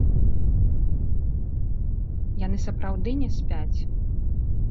Яны сапраўды не спяць.